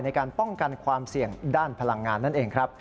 ในการป้องกันความเสี่ยงด้านพลังงานนั่นเองครับ